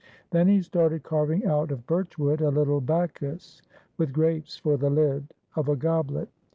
Then he started carving out of birch wood a little Bacchus with grapes for the lid of a goblet.